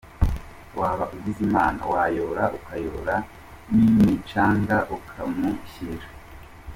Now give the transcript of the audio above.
Waba ugize Imana wayora ukayora n’imicanga ukamushyira.